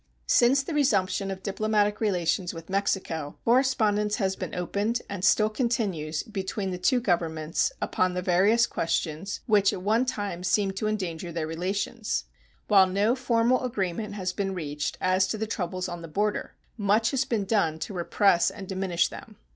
Since the resumption of diplomatic relations with Mexico correspondence has been opened and still continues between the two Governments upon the various questions which at one time seemed to endanger their relations. While no formal agreement has been reached as to the troubles on the border, much has been done to repress and diminish them.